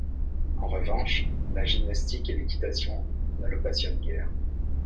En revanche, la gymnastique et l'équitation ne le passionnent guère.